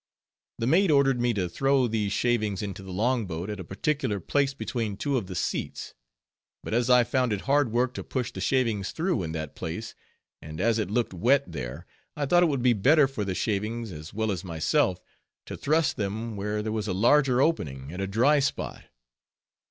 The mate ordered me to throw these shavings into the long boat at a particular place between two of the seats. But as I found it hard work to push the shavings through in that place, and as it looked wet there, I thought it would be better for the shavings as well as myself, to thrust them where there was a larger opening and a dry spot.